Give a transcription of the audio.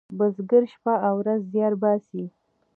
بزگر شپه او ورځ زیار باسي.